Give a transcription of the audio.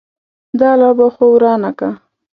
دا لوبه خو ورانه که.